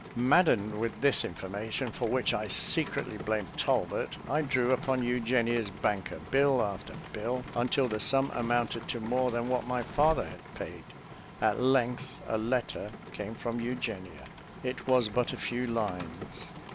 Maddened with this intimation, for which I secretly blamed Talbot, I drew upon Eugenia's banker bill after bill, until the sum amounted to more than what my father had paid. At length a letter came from Eugenia. It was but a few lines.